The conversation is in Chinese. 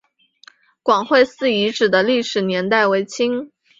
广惠寺遗址的历史年代为清。